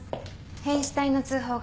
変死体の通報が。